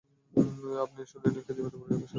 আপনি সুনয়নীকে জীবন্ত পুড়িয়ে সেই ঘরে ফেলে রেখেছেন।